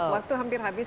waktu hampir habis